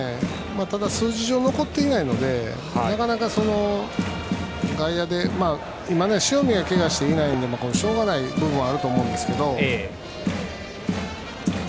ただ数字上、残っていないので今、塩見がけがをしていないのでしょうがない部分はあると思うんですけど。